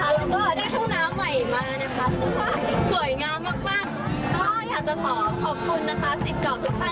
เราก็ได้ห้องน้ำใหม่มาแล้วนะคะสวยงามมาก